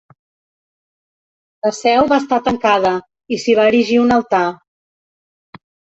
La seu va estar tancada, i s'hi va erigir un altar